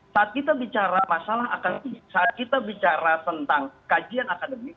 saat kita bicara masalah akan saat kita bicara tentang kajian akademik